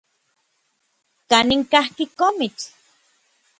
¿Kanin kajki komitl?